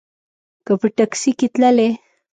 که په ټیکسي کې تللې.